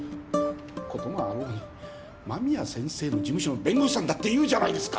こともあろうに間宮先生の事務所の弁護士さんだっていうじゃないですか。